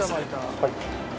はい。